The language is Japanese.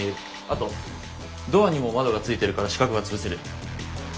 あとドアにも窓がついてるから死角は潰せる。